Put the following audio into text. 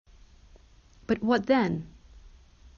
But what then?